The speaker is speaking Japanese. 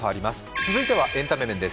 続いてはエンタメ面です。